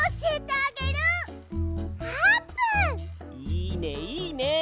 いいねいいね！